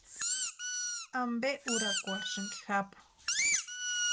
¿Ampe úrakwarhisïnki japu?